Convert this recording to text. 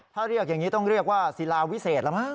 ถ้าเรียกอย่างนี้ต้องเรียกว่าศิลาวิเศษแล้วมั้